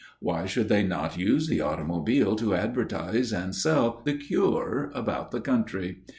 Why should they not use the automobile to advertise and sell the cure about the country?